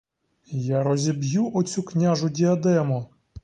Я розіб'ю оцю княжу діадему!